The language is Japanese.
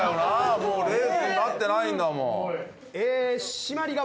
もうレースになってないんだもん。